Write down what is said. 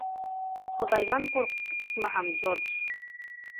Хоҙайҙан ҡурҡ, исмаһам, Джордж.